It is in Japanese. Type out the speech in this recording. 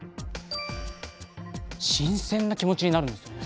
新鮮な気持ちになるんですよね。